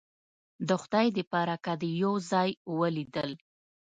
د خدای د پاره که دې یو ځای ولیدل